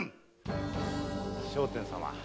〔聖天様